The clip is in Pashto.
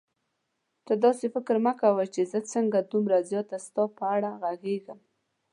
ته داسې فکر مه کوه چې زه څنګه دومره زیاته ستا په اړه غږېږم.